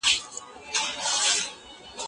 لومړی ملګری د ډاکټرانو